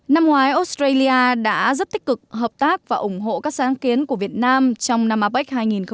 năm ngoái australia đã rất tích cực hợp tác và ủng hộ các sáng kiến của việt nam trong năm apec hai nghìn hai mươi